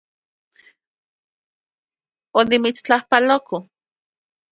Onimitstlajpaloko